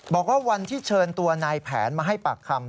บอกว่าวันที่เชิญตัวนายแผนมาให้ปากคำ